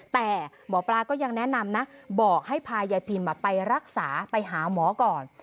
แต่หมอปลาก็ยังแนะนำนะบอกให้พายายพิมไปรักษาไปหาหมอก่อน